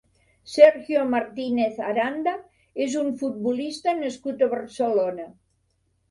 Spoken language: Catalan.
Sergio Martínez Aranda és un futbolista nascut a Barcelona.